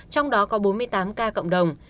trong đó có bốn mươi tám ca cộng đồng